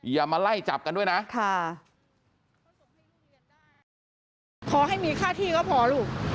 อย่ามาไล่จับกันด้วยนะค่ะพอให้มีค่าที่ก็พอลูก